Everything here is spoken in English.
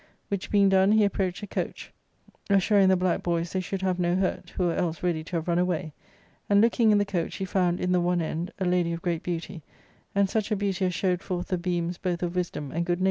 Which being done, he approached the coach, assuring the black boys they should have no hurt, who were else ready to have run away ; and, looking in the coach, he found in the one end a lady of great beauty, and such a V beauty as showed forth the T>eams both of wisdom and good ARCADIA.